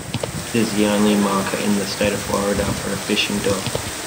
It is the only marker in the State of Florida for a fishing dock.